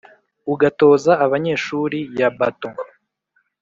ugatoza abanyeshuri ya batons